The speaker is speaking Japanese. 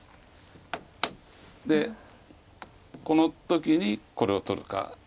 でこの時にこれを取るか。